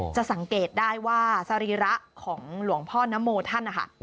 สังเกตได้ว่าสรีระของหลวงพ่อนโมท่านนะคะ